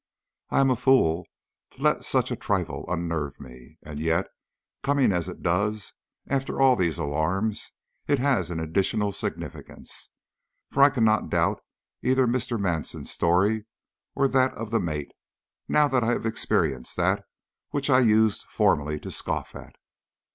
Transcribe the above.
I am a fool to let such a trifle unnerve me; and yet, coming as it does after all these alarms, it has an additional significance, for I cannot doubt either Mr. Manson's story or that of the mate, now that I have experienced that which I used formerly to scoff at.